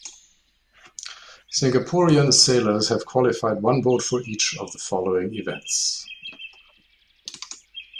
Singaporean sailors have qualified one boat for each of the following events.